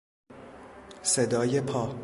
صدای پا